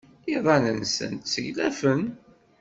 Iḍan-nsent sseglafen.